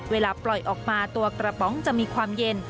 เวลาปล่อยออกมาตัวกระป๋องจะมีความเย็น